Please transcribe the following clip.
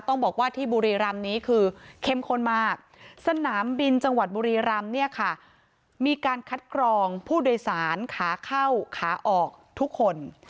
ต้องบอกว่าที่บุรีรำนี้คือเข้มข้นมากสนามบินจังหวัดบุรีรำเนี่ยค่ะมีการคัดกรองผู้โดยสารขาเข้าขาออกทุกคน